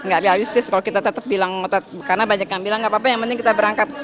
nggak realistis kalau kita tetap bilang ngotot karena banyak yang bilang nggak apa apa yang penting kita berangkat